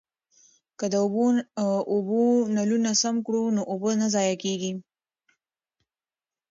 که د اوبو نلونه سم کړو نو اوبه نه ضایع کیږي.